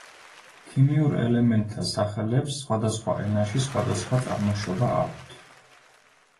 ქიმიურ ელემენტთა სახელებს სხვადასხვა ენაში სხვადასხვა წარმოშობა აქვთ.